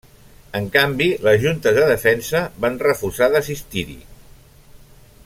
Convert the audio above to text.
En canvi les Juntes de Defensa van refusar d'assistir-hi.